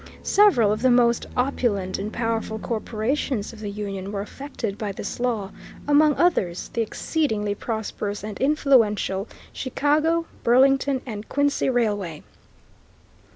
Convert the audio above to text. Several of the most opulent and powerful corporations of the Union were affected by this law, among others the exceedingly prosperous and influential Chicago, Burlington & Quincy Railway.